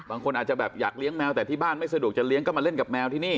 บางคนอาจจะแบบอยากเลี้ยงแมวแต่ที่บ้านไม่สะดวกจะเลี้ยก็มาเล่นกับแมวที่นี่